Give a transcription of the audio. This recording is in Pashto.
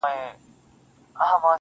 تا څه کوئ اختر د بې اخترو په وطن کي.